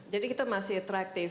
jadi kita masih atraktif